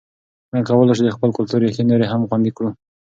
څنګه کولای سو د خپل کلتور ریښې نورې هم خوندي کړو؟